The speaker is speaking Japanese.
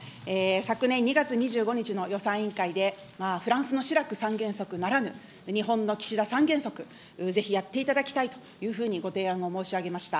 昨年２月２５日の予算委員会で、フランスのシラク３原則ならぬ、日本の岸田３原則、ぜひやっていただきたいというふうにご提案を申し上げました。